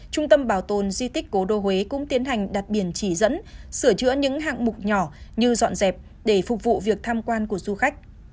trung tâm bảo tồn di tích cố đô huế cũng tiến hành đặt biển chỉ dẫn sửa chữa những hạng mục nhỏ như dọn dẹp để phục vụ việc tham quan của du khách